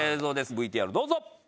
ＶＴＲどうぞ！